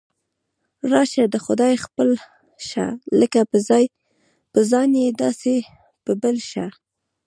راشه د خدای خپل شه، لکه په ځان یې داسې په بل شه.